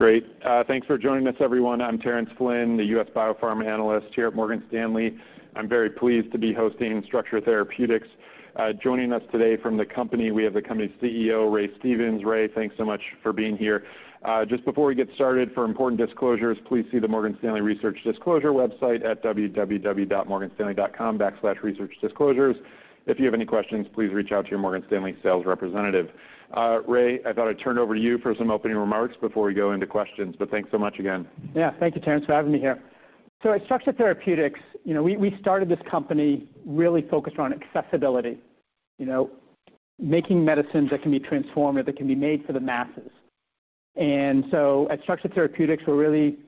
Great. Thanks for joining us, everyone. I'm Terrence Flynn, the U.S. biopharma analyst here at Morgan Stanley. I'm very pleased to be hosting Structure Therapeutics. Joining us today from the company, we have the company's CEO, Ray Stevens. Ray, thanks so much for being here. Just before we get started, for important disclosures, please see the Morgan Stanley Research Disclosure website at www.morganstanley.com/researchdisclosures. If you have any questions, please reach out to your Morgan Stanley sales representative. Ray, I thought I'd turn it over to you for some opening remarks before we go into questions. Thanks so much again. Yeah. Thank you, Terrence, for having me here. At Structure Therapeutics, you know we started this company really focused on accessibility, you know making medicines that can be transformative, that can be made for the masses. At Structure Therapeutics, we're really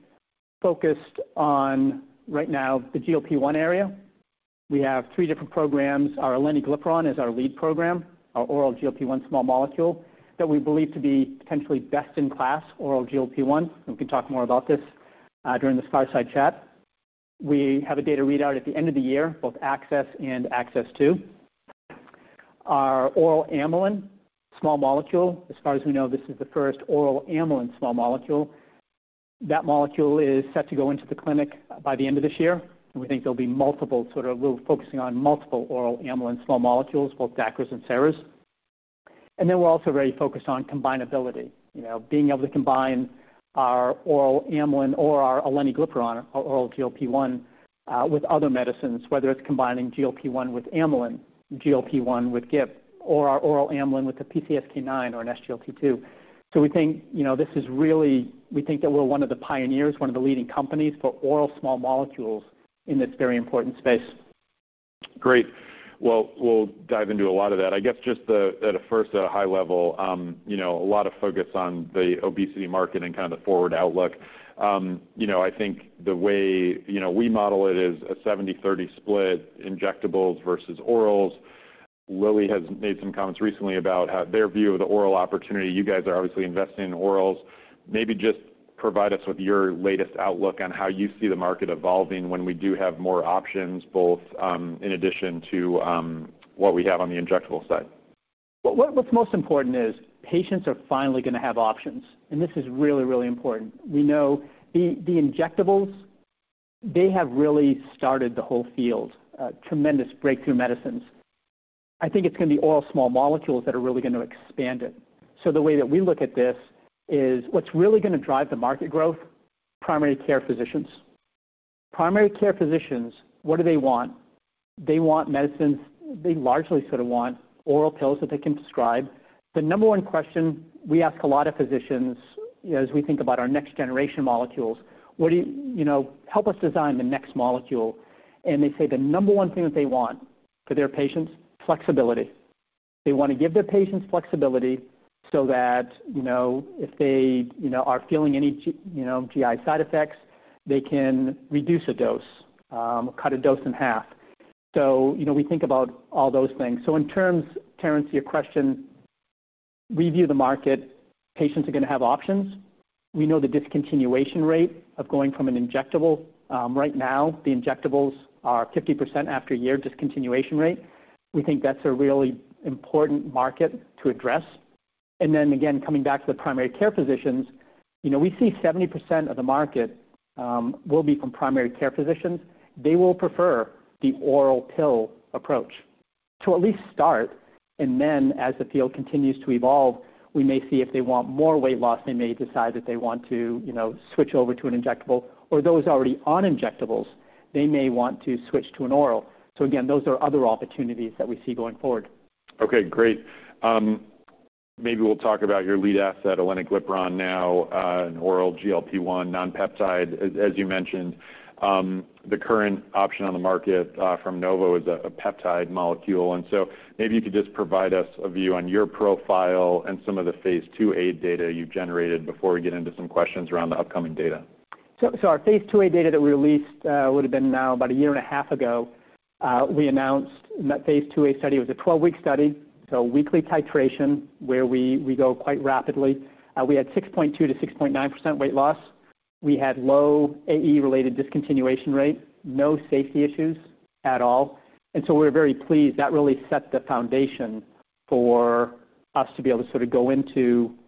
focused on, right now, the GLP-1 area. We have three different programs. Our aleniglipron is our lead program, our oral GLP-1 small molecule that we believe to be potentially best-in-class oral GLP-1. We can talk more about this during the fireside chat. We have a data readout at the end of the year, both ACCESS and ACCESS II. Our oral amylin small molecule, as far as we know, this is the first oral amylin small molecule. That molecule is set to go into the clinic by the end of this year. We think there'll be multiple sort of we're focusing on multiple oral amylin small molecules, both DACRAs and SARAs. We're also very focused on combinability, you know being able to combine our oral amylin or our aleniglipron, our oral GLP-1, with other medicines, whether it's combining GLP-1 with amylin, GLP-1 with GIP, or our oral amylin with a PCSK9 or an SGLT2. We think you know this is really we think that we're one of the pioneers, one of the leading companies for oral small molecules in this very important space. Great. Let's dive into a lot of that. I guess just at a first high level, you know a lot of focus on the obesity market and kind of the forward outlook. I think the way you know we model it is a 70/30 split, injectables versus orals. Lilly has made some comments recently about their view of the oral opportunity. You guys are obviously investing in orals. Maybe just provide us with your latest outlook on how you see the market evolving when we do have more options, both in addition to what we have on the injectable side. What's most important is patients are finally going to have options. This is really, really important. We know the injectables have really started the whole field, tremendous breakthrough medicines. I think it's going to be oral small molecules that are really going to expand it. The way that we look at this is what's really going to drive the market growth? Primary care physicians. Primary care physicians, what do they want? They want medicines. They largely sort of want oral pills that they can prescribe. The number one question we ask a lot of physicians as we think about our next-generation molecules, what do you help us design the next molecule? They say the number one thing that they want for their patients is flexibility. They want to give their patients flexibility so that if they are feeling any GI side effects, they can reduce a dose, cut a dose in half. We think about all those things. In terms, Terrence, to your question, we view the market, patients are going to have options. We know the discontinuation rate of going from an injectable. Right now, the injectables are 50% after a year discontinuation rate. We think that's a really important market to address. Again, coming back to the primary care physicians, we see 70% of the market will be from primary care physicians. They will prefer the oral pill approach to at least start. As the field continues to evolve, we may see if they want more weight loss, they may decide that they want to switch over to an injectable. Those already on injectables may want to switch to an oral. Those are other opportunities that we see going forward. OK, great. Maybe we'll talk about your lead asset, aleniglipron, now an oral GLP-1 non-peptide, as you mentioned. The current option on the market from Novo is a peptide molecule. Maybe you could just provide us a view on your profile and some of the phase II-A data you've generated before we get into some questions around the upcoming data. Our phase II-A data that we released would have been now about a year and a half ago. We announced in that phase II-A study, it was a 12-week study, a weekly titration where we go quite rapidly. We had 6.2%-6.9% weight loss. We had low AE-related discontinuation rate, no safety issues at all. We’re very pleased. That really set the foundation for us to be able to sort of go into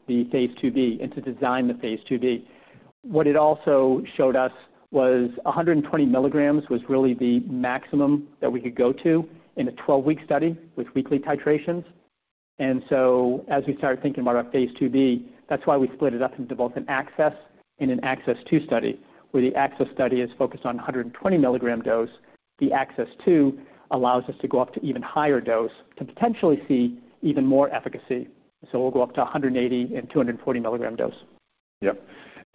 the phase II-B and to design the phase II-B. What it also showed us was 120 mg was really the maximum that we could go to in a 12-week study with weekly titrations. As we started thinking about our phase II-B, that's why we split it up and developed an ACCESS and an ACCESS II study, where the ACCESS study is focused on 120 mg dose. The ACCESS II allows us to go up to even higher dose to potentially see even more efficacy. We’ll go up to 180 mg and 240 mg dose.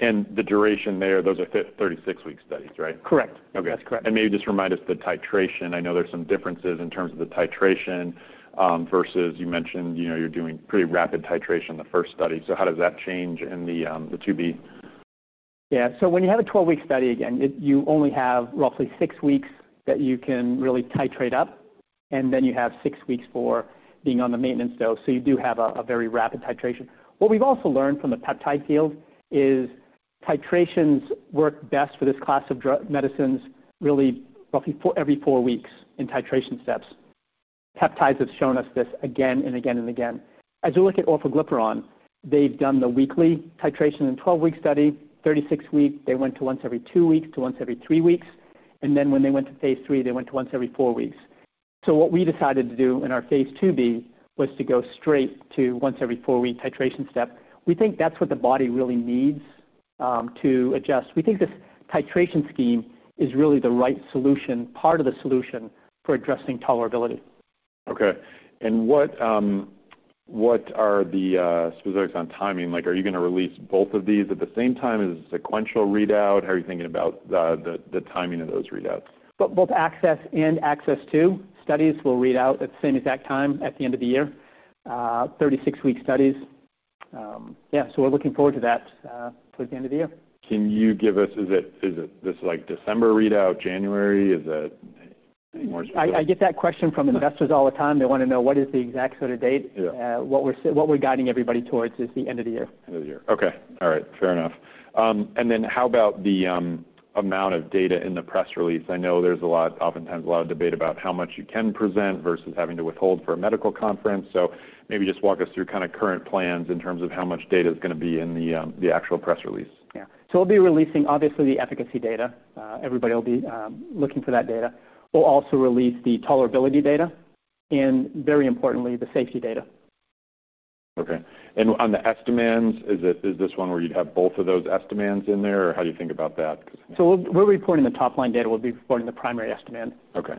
Yeah. The duration there, those are 36-week studies, right? Correct. That's correct. Maybe just remind us the titration. I know there's some differences in terms of the titration versus you mentioned you're doing pretty rapid titration in the first study. How does that change in the II-B? Yeah. When you have a 12-week study, you only have roughly six weeks that you can really titrate up, and then you have six weeks for being on the maintenance dose. You do have a very rapid titration. What we've also learned from the peptide field is titrations work best for this class of medicines really roughly every four weeks in titration steps. Peptides have shown us this again and again and again. As we look at orforglipron, they've done the weekly titration in a 12-week study, 36-week. They went to once every two weeks to once every three weeks. When they went to phase III, they went to once every four weeks. What we decided to do in our phase II-B was to go straight to once-every-four-week titration step. We think that's what the body really needs to adjust. We think this titration scheme is really the right solution, part of the solution for addressing tolerability. What are the specifics on timing? Are you going to release both of these at the same time? Is it a sequential readout? How are you thinking about the timing of those readouts? Both ACCESS and ACCESS II studies will read out at the same exact time at the end of the year, 36-week studies. We're looking forward to that towards the end of the year. Can you give us, is it this like December readout, January? Is it? I get that question from investors all the time. They want to know what is the exact sort of date. What we're guiding everybody towards is the end of the year. End of the year. OK. All right. Fair enough. How about the amount of data in the press release? I know there's oftentimes a lot of debate about how much you can present versus having to withhold for a medical conference. Maybe just walk us through current plans in terms of how much data is going to be in the actual press release. Yeah. We will be releasing, obviously, the efficacy data. Everybody will be looking for that data. We will also release the tolerability data and, very importantly, the safety data. OK. On the estimates, is this one where you'd have both of those estimates in there? How do you think about that? We will be reporting the top-line data and the primary estimate. OK.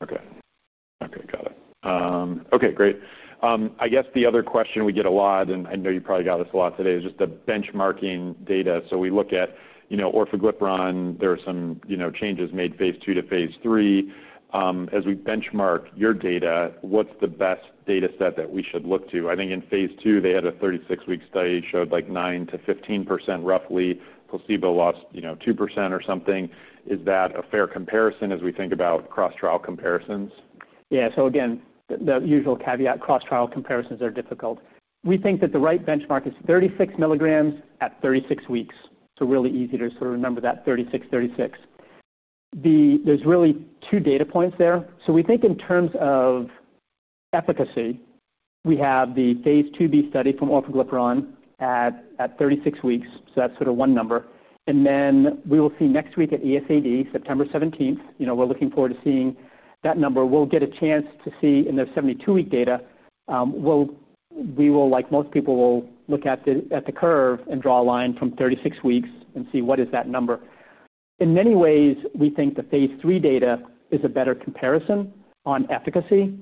Got it. OK, great. I guess the other question we get a lot, and I know you probably got this a lot today, is just the benchmarking data. We look at orforglipron. There are some changes made phase II to phase III. As we benchmark your data, what's the best data set that we should look to? I think in phase II, they had a 36-week study, showed like 9%-15% roughly. Placebo lost 2% or something. Is that a fair comparison as we think about cross-trial comparisons? Yeah. The usual caveat, cross-trial comparisons are difficult. We think that the right benchmark is 36 mg at 36 weeks, so really easy to sort of remember that 36 mg, 36 weeks. There are really two data points there. We think in terms of efficacy, we have the phase II-B study from orforglipron at 36 weeks, so that's sort of one number. We will see next week at EASD, September 17. We're looking forward to seeing that number. We'll get a chance to see the 72-week data. We will, like most people, look at the curve and draw a line from 36 weeks and see what is that number. In many ways, we think the phase III data is a better comparison on efficacy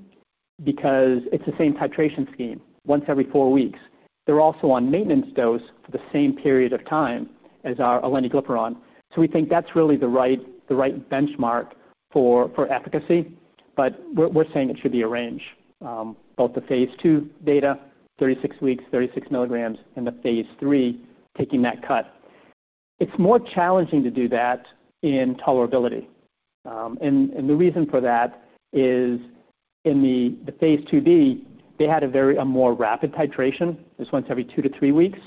because it's the same titration scheme, once every four weeks. They're also on maintenance dose the same period of time as our aleniglipron. We think that's really the right benchmark for efficacy. We're saying it should be a range, both the phase II data, 36 weeks, 36 mg, and the phase III, taking that cut. It's more challenging to do that in tolerability. The reason for that is in the phase II-B, they had a much more rapid titration, this once every two to three weeks.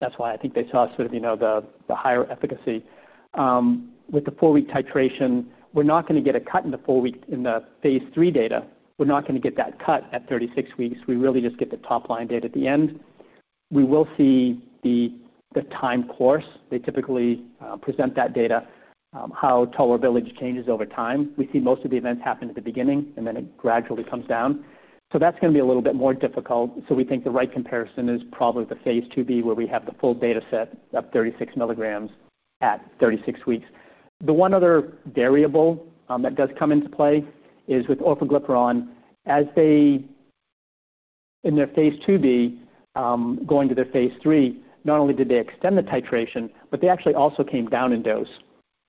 That's why I think they saw sort of the higher efficacy. With the four-week titration, we're not going to get a cut in the phase III data. We're not going to get that cut at 36 weeks. We really just get the top-line data at the end. We will see the time course. They typically present that data, how tolerability changes over time. We see most of the events happen at the beginning, and then it gradually comes down. That's going to be a little bit more difficult. We think the right comparison is probably the phase II-B, where we have the full data set of 36 mg at 36 weeks. The one other variable that does come into play is with orforglipron, as they in their phase II-B, going to their phase III, not only did they extend the titration, but they actually also came down in dose.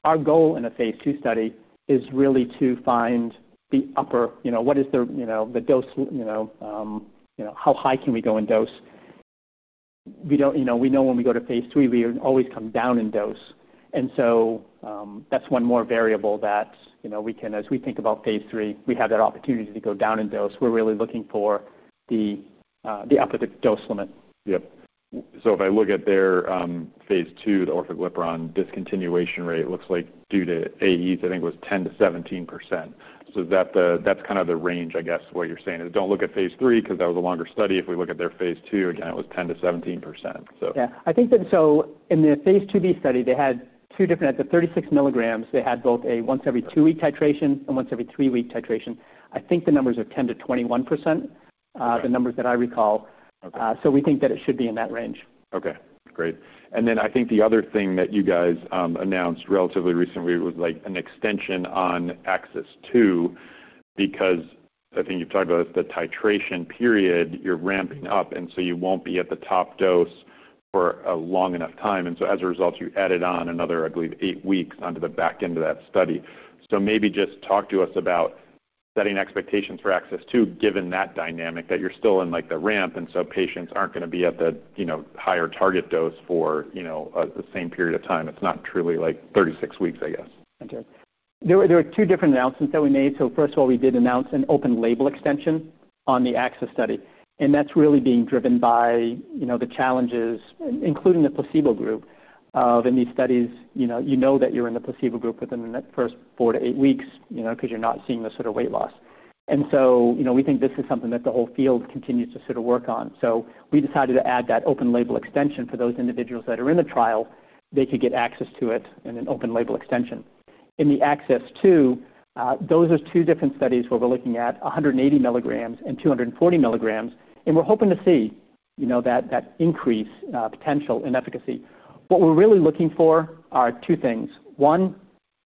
Our goal in a phase II study is really to find the upper, what is the dose, how high can we go in dose? We know when we go to phase III, we always come down in dose. That's one more variable that we can, as we think about phase III, we have that opportunity to go down in dose. We're really looking for the upper dose limit. Yeah. If I look at their phase II, the orforglipron discontinuation rate, it looks like due to AEs, I think it was 10%-17%. That's kind of the range, I guess, what you're saying. Don't look at phase III because that was a longer study. If we look at their phase II, again, it was 10%-17%. I think that in the phase II-B study, they had two different at the 36 mg, they had both a once-every-two-week titration and once-every-three-week titration. I think the numbers are 10%-21%, the numbers that I recall. We think that it should be in that range. OK. Great. I think the other thing that you guys announced relatively recently was an extension on ACCESS II. I think you've talked about the titration period, you're ramping up, and you won't be at the top dose for a long enough time. As a result, you added on another, I believe, eight weeks onto the back end of that study. Maybe just talk to us about setting expectations for ACCESS II, given that dynamic that you're still in the ramp, and patients aren't going to be at the higher target dose for the same period of time. It's not truly like 36 weeks, I guess. OK. There were two different announcements that we made. First of all, we did announce an open-label extension on the ACCESS study. That's really being driven by the challenges, including the placebo group. In these studies, you know that you're in the placebo group within the first four to eight weeks because you're not seeing the sort of weight loss. We think this is something that the whole field continues to sort of work on. We decided to add that open label extension for those individuals that are in the trial. They could get access to it in an open-label extension. In the ACCESS II, those are two different studies where we're looking at 180 mg and 240 mg. We're hoping to see that increase potential in efficacy. What we're really looking for are two things. One,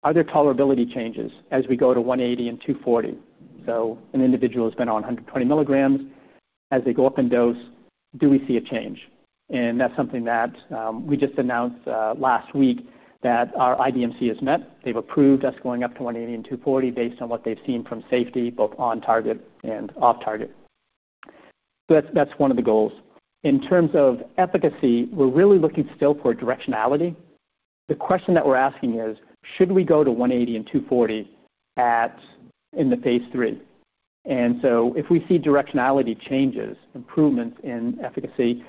are there tolerability changes as we go to 180 mg and 240mg? An individual has been on 120 mg. As they go up in dose, do we see a change? That's something that we just announced last week that our IDMC has met. They've approved us going up to 180 mg and 240 mg based on what they've seen from safety, both on target and off target. That's one of the goals. In terms of efficacy, we're really looking still toward directionality. The question that we're asking is, should we go to 180 mg and 240 mg in the phase III? If we see directionality changes, improvements in efficacy,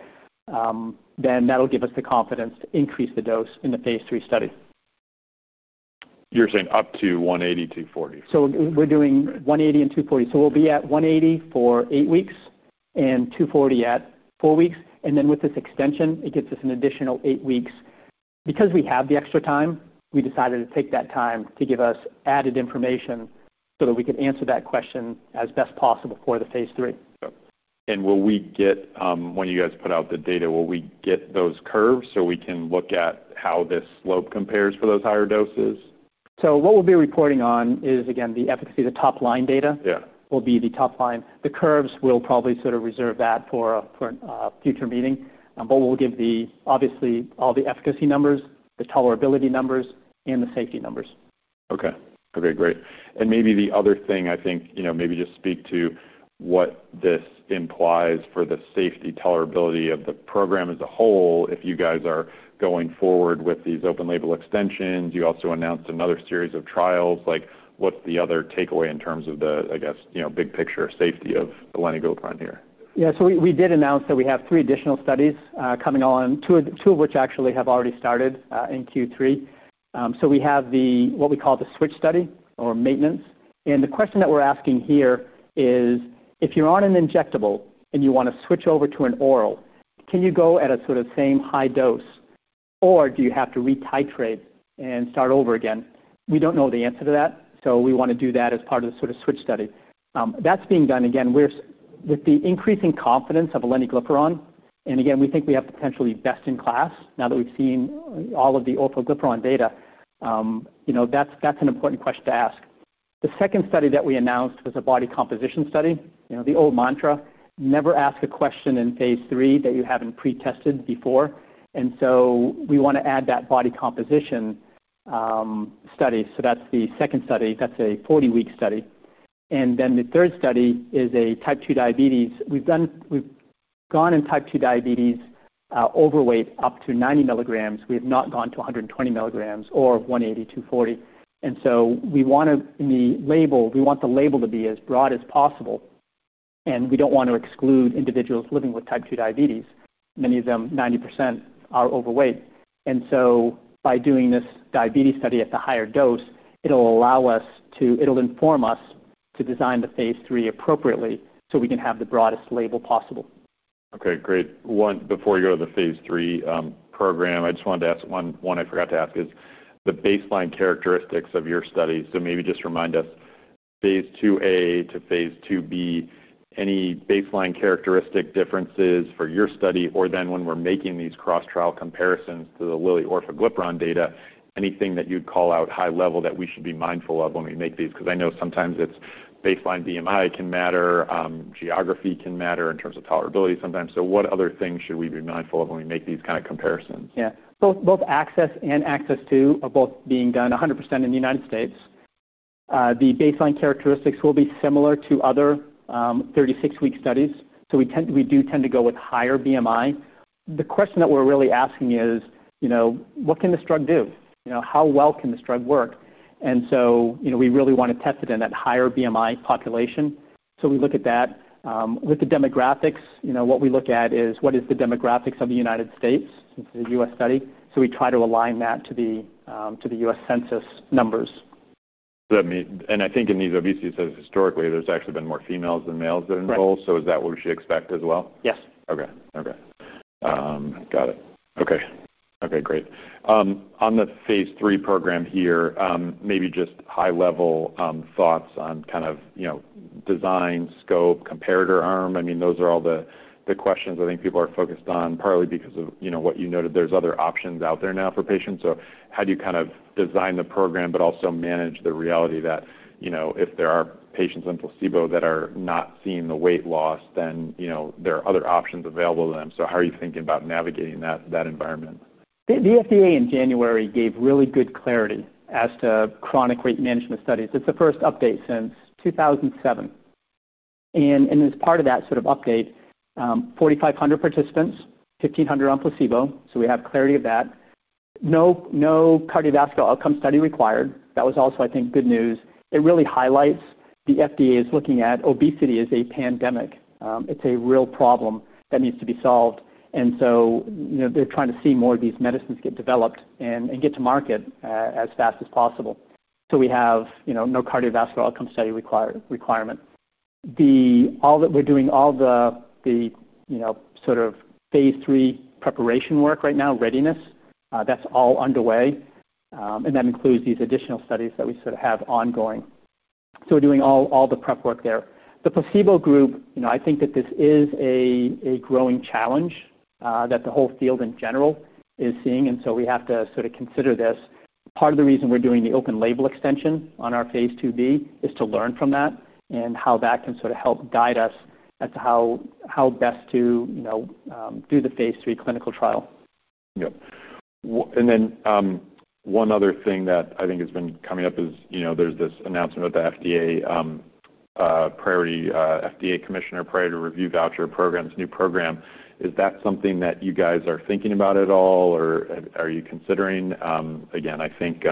then that'll give us the confidence to increase the dose in the phase III study. You're saying up to 180 mg, 240 mg. We're doing 180 mg and 240 mg. We'll be at 180 mg for eight weeks and 240 mg at four weeks. With this extension, it gives us an additional eight weeks. Because we have the extra time, we decided to take that time to give us added information so that we could answer that question as best possible for the phase III. Will we get, when you guys put out the data, those curves so we can look at how this slope compares for those higher doses? What we'll be reporting on is, again, the efficacy, the top-line data. The top line will be the top line. The curves will probably sort of reserve that for a future meeting. We'll give obviously all the efficacy numbers, the tolerability numbers, and the safety numbers. OK, great. Maybe the other thing, I think, maybe just speak to what this implies for the safety, tolerability of the program as a whole if you guys are going forward with these open label extensions. You also announced another series of trials. What's the other takeaway in terms of the, I guess, big picture of safety of aleniglipron here? Yeah. We did announce that we have three additional studies coming on, two of which actually have already started in Q3. We have what we call the switch study or maintenance. The question that we're asking here is, if you're on an injectable and you want to switch over to an oral, can you go at a sort of same high dose? Or do you have to retitrate and start over again? We don't know the answer to that. We want to do that as part of the sort of switch study. That's being done. Again, with the increasing confidence of aleniglipron, and again, we think we have potentially best in class now that we've seen all of the orforglipron data, you know that's an important question to ask. The second study that we announced was a body composition study. You know the old mantra, never ask a question in phase III that you haven't pretested before. We want to add that body composition study. That's the second study. That's a 40-week study. The third study is a type-2 diabetes. We've gone in type-2 diabetes, overweight, up to 90 mg. We have not gone to 120 mg or 180 mg and 240 mg. We want the label to be as broad as possible. We don't want to exclude individuals living with type-2 diabetes. Many of them, 90%, are overweight. By doing this diabetes study at the higher dose, it'll allow us to, it'll inform us to design the phase III appropriately so we can have the broadest label possible. OK, great. Before you go to the phase III program, I just wanted to ask one I forgot to ask is the baseline characteristics of your study. Maybe just remind us, phase II-A to phase II-B, any baseline characteristic differences for your study? When we're making these cross-trial comparisons to the Lilly orforglipron data, anything that you'd call out high level that we should be mindful of when we make these? I know sometimes it's baseline BMI can matter, geography can matter in terms of tolerability sometimes. What other things should we be mindful of when we make these kind of comparisons? Yeah. Both ACCESS and ACCESS II are both being done 100% in the U.S. The baseline characteristics will be similar to other 36-week studies. We do tend to go with higher BMI. The question that we're really asking is, you know what can the drug do? You know how well can the drug work? We really want to test it in that higher BMI population. We look at that. With the demographics, what we look at is what is the demographics of the U.S., the U.S. study. We try to align that to the U.S. census numbers. In these obesity studies, historically, there's actually been more females than males that are involved. Is that what we should expect as well? Yes. OK, great. On the phase III program here, maybe just high-level thoughts on kind of, you know, design, scope, comparator arm. I mean, those are all the questions I think people are focused on, partly because of, you know, what you noted. There are other options out there now for patients. How do you kind of design the program but also manage the reality that, you know, if there are patients on placebo that are not seeing the weight loss, then, you know, there are other options available to them? How are you thinking about navigating that environment? The FDA in January gave really good clarity as to chronic weight management studies. It's the first update since 2007. As part of that update, 4,500 participants, 1,500 on placebo. We have clarity of that. No cardiovascular outcome study required. That was also, I think, good news. It really highlights the FDA is looking at obesity as a pandemic. It's a real problem that needs to be solved. You know they're trying to see more of these medicines get developed and get to market as fast as possible. We have no cardiovascular outcome study requirement. All that we're doing, all the phase III preparation work right now, readiness, that's all underway. That includes these additional studies that we have ongoing. We're doing all the prep work there. The placebo group, I think that this is a growing challenge that the whole field in general is seeing. We have to consider this. Part of the reason we're doing the open label extension on our phase II-B is to learn from that and how that can help guide us as to how best to do the phase III clinical trial. Yeah. One other thing that I think has been coming up is, you know, there's this announcement with the FDA Commissioner Priority Review Voucher program, this new program. Is that something that you guys are thinking about at all, or are you considering? I think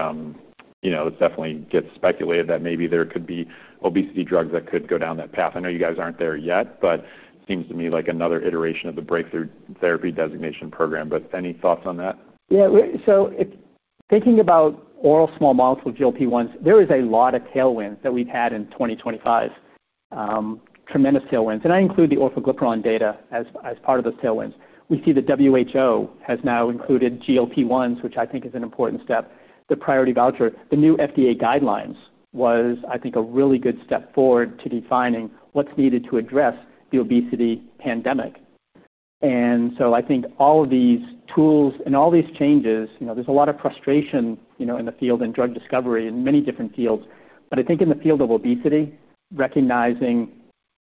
it definitely gets speculated that maybe there could be obesity drugs that could go down that path. I know you guys aren't there yet, but it seems to me like another iteration of the Breakthrough Therapy Designation Program. Any thoughts on that? Yeah. If thinking about oral small molecules, GLP-1s, there is a lot of tailwind that we've had in 2025, tremendous tailwinds. I include the orforglipron data as part of those tailwinds. We see the WHO has now included GLP-1s, which I think is an important step, the priority voucher. The new FDA guidance was, I think, a really good step forward to defining what's needed to address the obesity pandemic. I think all of these tools and all these changes, you know, there's a lot of frustration in the field and drug discovery in many different fields. I think in the field of obesity, recognizing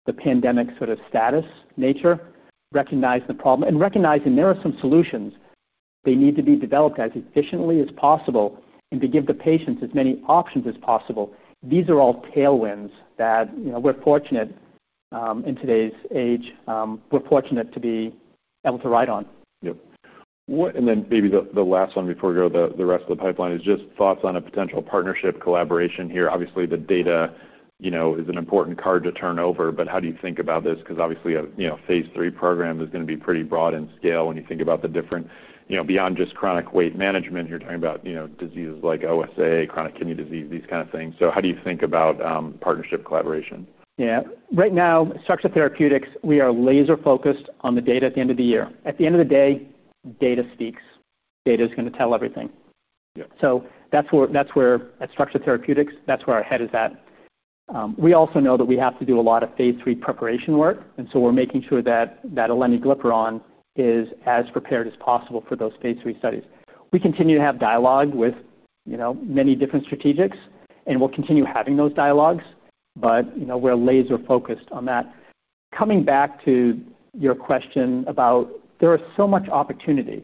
the pandemic's sort of status, nature, recognize the problem, and recognizing there are some solutions. They need to be developed as efficiently as possible and to give the patients as many options as possible. These are all tailwinds that we're fortunate in today's age, we're fortunate to be able to ride on. Maybe the last one before we go to the rest of the pipeline is just thoughts on a potential partnership collaboration here. Obviously, the data is an important card to turn over. How do you think about this? Obviously, a phase III program is going to be pretty broad in scale when you think about the different, you know, beyond just chronic weight management. You're talking about, you know, diseases like OSA, chronic kidney disease, these kind of things. How do you think about partnership collaboration? Yeah. Right now, at Structure Therapeutics, we are laser-focused on the data at the end of the year. At the end of the day, data speaks. Data is going to tell everything. Yeah, so that's where, at Structure Therapeutics, that's where our head is at. We also know that we have to do a lot of phase III preparation work. We're making sure that aleniglipron is as prepared as possible for those phase III studies. We continue to have dialogue with many different strategics, and we'll continue having those dialogues. We're laser-focused on that. Coming back to your question about there is so much opportunity.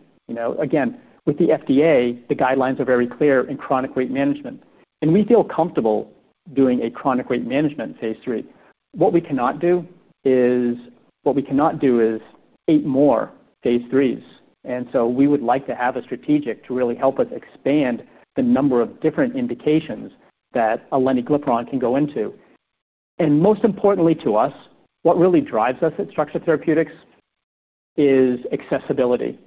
Again, with the FDA, the guidelines are very clear in chronic weight management, and we feel comfortable doing a chronic weight management phase III. What we cannot do is eight more phase IIIs. We would like to have a strategic to really help us expand the number of different indications that aleniglipron can go into. Most importantly to us, what really drives us at Structure Therapeutics is accessibility.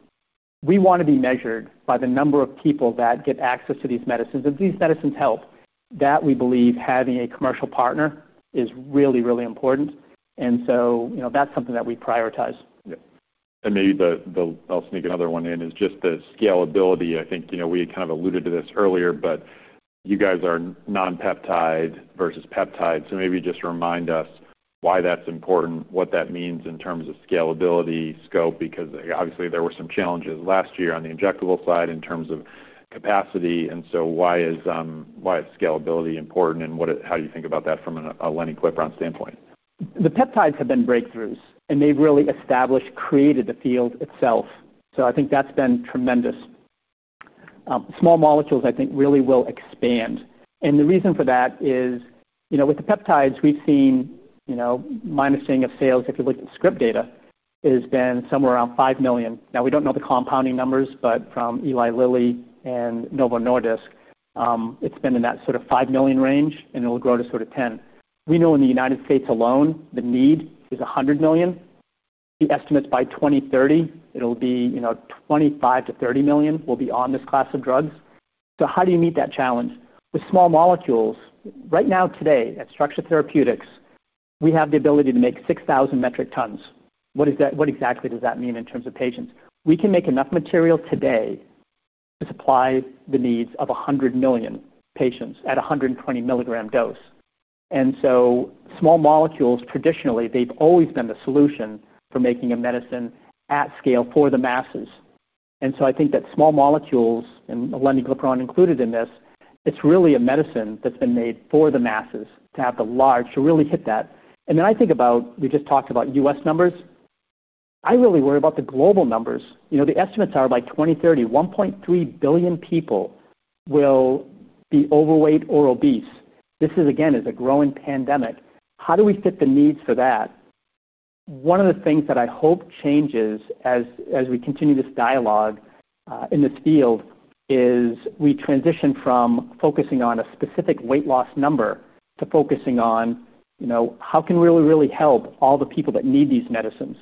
We want to be measured by the number of people that get access to these medicines, and these medicines help. We believe having a commercial partner is really, really important. That's something that we prioritize. Yeah. Maybe I'll sneak another one in, just the scalability. I think you know we had kind of alluded to this earlier. You guys are non-peptide versus peptide, so maybe just remind us why that's important, what that means in terms of scalability and scope. Obviously, there were some challenges last year on the injectable side in terms of capacity. Why is scalability important, and how do you think about that from an aleniglipron standpoint? The peptides have been breakthroughs. They've really established, created the field itself. I think that's been tremendous. Small molecules, I think, really will expand. The reason for that is, with the peptides, we've seen minus change of sales, if you look at the script data, has been somewhere around $5 million. We don't know the compounding numbers. From Eli Lilly and Novo Nordisk, it's been in that sort of $5 million range. It'll grow to sort of $10 million. We know in the United States alone, the need is 100 million. The estimate's by 2030, it'll be 25 million-30 million will be on this class of drugs. How do you meet that challenge? With small molecules, right now today at Structure Therapeutics, we have the ability to make 6,000 T. What exactly does that mean in terms of patients? We can make enough material today to supply the needs of 100 million patients at a 120 mg dose. Small molecules, traditionally, they've always been the solution for making a medicine at scale for the masses. I think that small molecules, and aleniglipron included in this, it's really a medicine that's been made for the masses to really hit that. I think about we just talked about U.S. numbers. I really worry about the global numbers. The estimates are by 2030, 1.3 billion people will be overweight or obese. This is, again, a growing pandemic. How do we fit the needs for that? One of the things that I hope changes as we continue this dialogue in this field is we transition from focusing on a specific weight loss number to focusing on how can we really help all the people that need these medicines.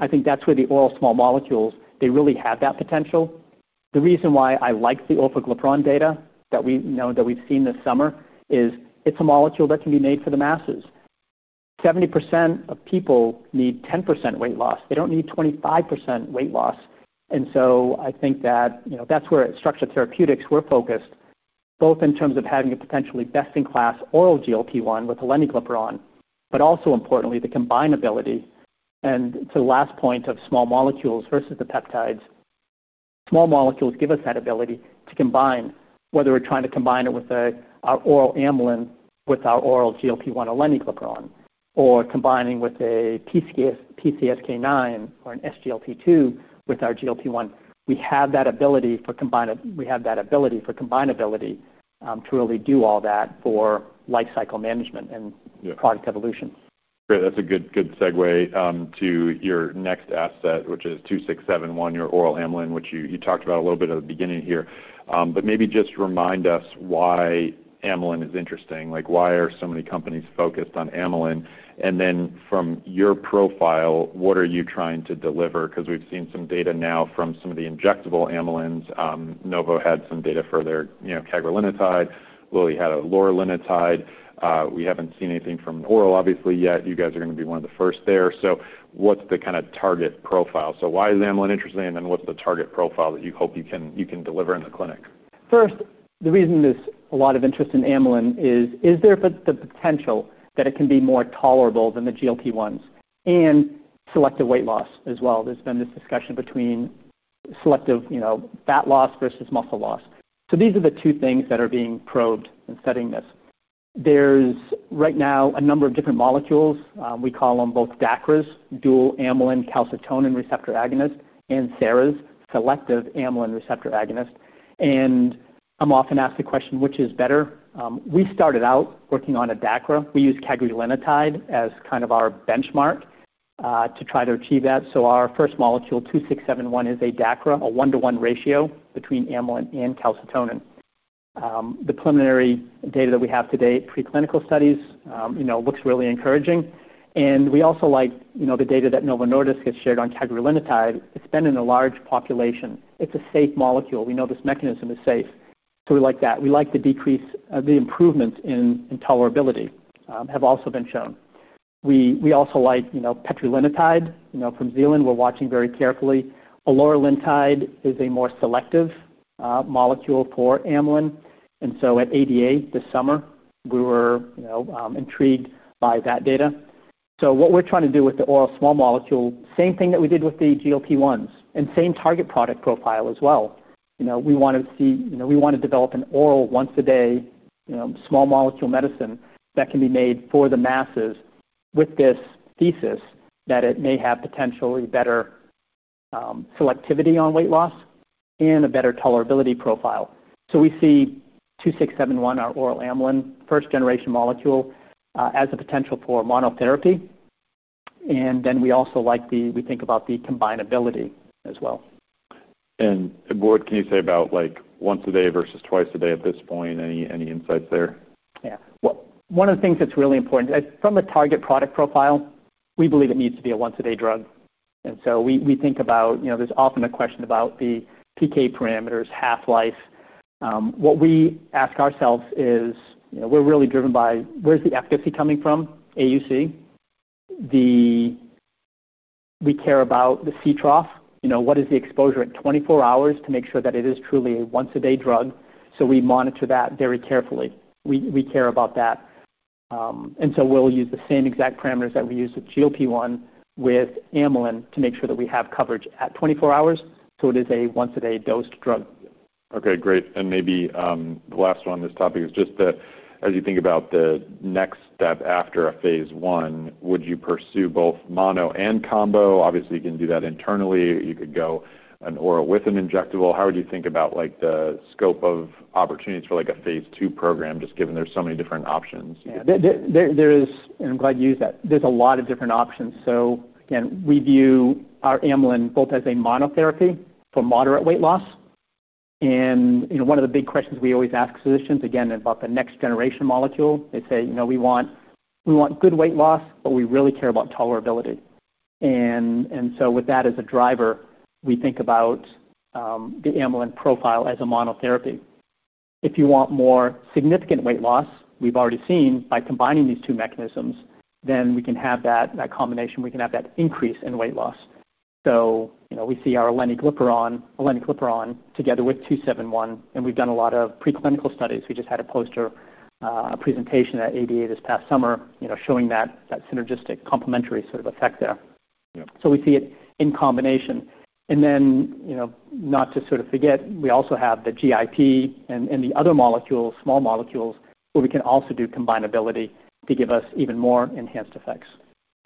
I think that's where the oral small molecules, they really have that potential. The reason why I like the orforglipron data that we know that we've seen this summer is it's a molecule that can be made for the masses. 70% of people need 10% weight loss. They don't need 25% weight loss. I think that, that's where at Structure Therapeutics, we're focused, both in terms of having a potentially best-in-class oral GLP-1 with aleniglipron, but also importantly, the combinability. To the last point of small molecules versus the peptides, small molecules give us that ability to combine, whether we're trying to combine it with our oral amylin, with our oral GLP-1 aleniglipron, or combining with a PCSK9 or an SGLT2 with our GLP-1. We have that ability for combinability to really do all that for lifecycle management and product evolution. Great. That's a good segue to your next asset, which is GSBR-2671, your oral amylin, which you talked about a little bit at the beginning here. Maybe just remind us why amylin is interesting. Why are so many companies focused on amylin? From your profile, what are you trying to deliver? We've seen some data now from some of the injectable amylins. Novo had some data for their cagrilintide. Eli Lilly had a loraglutide. We haven't seen anything from oral, obviously, yet. You are going to be one of the first there. What's the kind of target profile? Why is amylin interesting? What's the target profile that you hope you can deliver in the clinic? First, the reason there's a lot of interest in amylin is, is there the potential that it can be more tolerable than the GLP-1s and selective weight loss as well? There's been this discussion between selective fat loss versus muscle loss. These are the two things that are being probed in studying this. There's right now a number of different molecules. We call them both DACRAs, dual amylin calcitonin receptor agonists, and SARAs, selective amylin receptor agonists. I'm often asked the question, which is better? We started out working on a DACRA. We use kaglilinotide as kind of our benchmark to try to achieve that. Our first molecule, GSBR-2671, is a DACRA, a one-to-one ratio between amylin and calcitonin. The preliminary data that we have today in preclinical studies looks really encouraging. We also like the data that Novo Nordisk has shared on kaglilinotide. It's been in a large population. It's a safe molecule. We know this mechanism is safe. We like that. We like the decrease, the improvement in tolerability have also been shown. We also like petrolinotide from Zealand. We're watching very carefully. Olorilinotide is a more selective molecule for amylin. At ADA this summer, we were intrigued by that data. What we're trying to do with the oral small molecule, same thing that we did with the GLP-1s and same target product profile as well. We want to see, we want to develop an oral once-a-day small molecule medicine that can be made for the masses with this thesis that it may have potentially better selectivity on weight loss and a better tolerability profile. We see GSBR-2671, our oral amylin, first-generation molecule, as a potential for monotherapy. We also like the, we think about the combinability as well. What can you say about once a day versus twice a day at this point? Any insights there? Yeah. One of the things that's really important is from the target product profile, we believe it needs to be a once-a-day drug. We think about, you know, there's often a question about the PK parameters, half-life. What we ask ourselves is, we're really driven by where's the efficacy coming from, AUC. We care about the C trough. You know, what is the exposure in 24 hours to make sure that it is truly a once-a-day drug? We monitor that very carefully. We care about that. We'll use the same exact parameters that we use with GLP-1, with amylin, to make sure that we have coverage at 24 hours. It is a once-a-day dosed drug. Great. Maybe the last one on this topic is just that as you think about the next step after a phase I, would you pursue both mono and combo? Obviously, you can do that internally. You could go an oral with an injectable. How would you think about the scope of opportunities for a phase II program, just given there's so many different options? Yeah. There is, and I'm glad you used that, there's a lot of different options. Again, we view our amylin both as a monotherapy for moderate weight loss. One of the big questions we always ask physicians, again, about the next-generation molecule, they say, you know, we want good weight loss, but we really care about tolerability. With that as a driver, we think about the amylin profile as a monotherapy. If you want more significant weight loss, we've already seen by combining these two mechanisms, we can have that combination. We can have that increase in weight loss. We see our aleniglipron together with GSBR-2671. We've done a lot of preclinical studies. We just had a poster presentation at ADA this past summer, showing that synergistic complementary sort of effect there. We see it in combination. Not to forget, we also have the GIP and the other molecules, small molecules, where we can also do combinability to give us even more enhanced effects.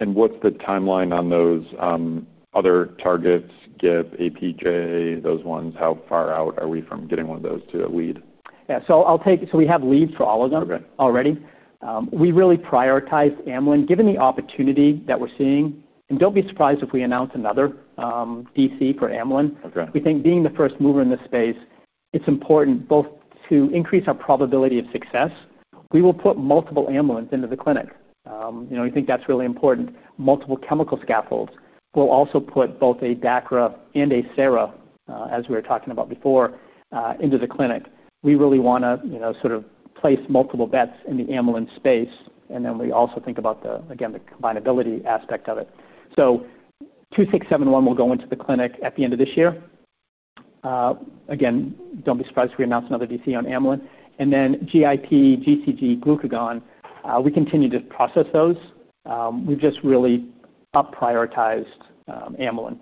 What is the timeline on those other targets, GIP, those ones? How far out are we from getting one of those to a lead? Yeah. We have leads for all of them already. We really prioritized amylin, given the opportunity that we're seeing. Don't be surprised if we announce another DC for amylin. We think being the first mover in this space is important both to increase our probability of success. We will put multiple amylins into the clinic. We think that's really important. Multiple chemical scaffolds will also put both a DACRA and a SARA, as we were talking about before, into the clinic. We really want to sort of place multiple bets in the amylin space. We also think about the, again, the combinability aspect of it. GSBR-2671 will go into the clinic at the end of this year. Again, don't be surprised if we announce another DC on amylin. GIP, GCG, glucagon, we continue to process those. We've just really up-prioritized amylin,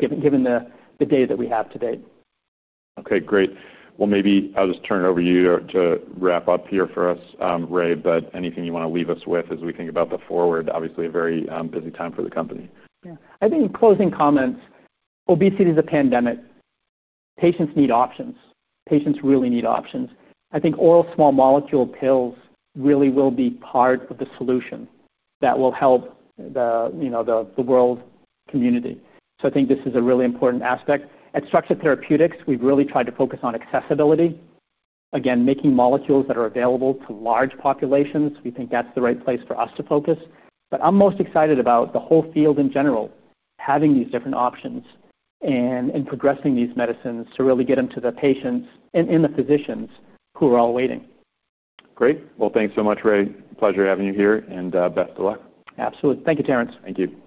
given the data that we have to date. OK, great. Maybe I'll just turn it over to you to wrap up here for us, Ray. Anything you want to leave us with as we think about the forward, obviously a very busy time for the company. I think in closing comments, obesity is a pandemic. Patients need options. Patients really need options. I think oral small molecule pills really will be part of the solution that will help the world community. I think this is a really important aspect. At Structure Therapeutics, we've really tried to focus on accessibility. Again, making molecules that are available to large populations, we think that's the right place for us to focus. I'm most excited about the whole field in general having these different options and progressing these medicines to really get them to the patients and the physicians who are all waiting. Great. Thank you so much, Ray. Pleasure having you here, and best of luck. Absolutely. Thank you, Terrence. Thank you. Thank you. Thank you.